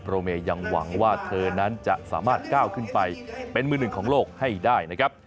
เมย์ยังหวังว่าเธอนั้นจะสามารถก้าวขึ้นไปเป็นมือหนึ่งของโลกให้ได้นะครับ